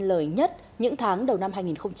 lợi nhất những tháng đầu năm hai nghìn hai mươi bốn